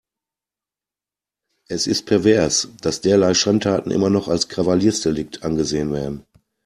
Es ist pervers, dass derlei Schandtaten immer noch als Kavaliersdelikt angesehen werden.